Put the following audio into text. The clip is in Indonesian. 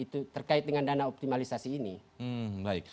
terkait dengan dana optimalisasi ini